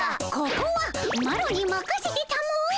ここはマロにまかせてたも！